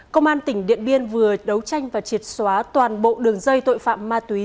công an tỉnh điện biên vừa đấu tranh và triệt xóa toàn bộ đường dây tội phạm ma túy